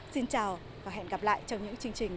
xin chào và hẹn gặp lại trong những video tiếp theo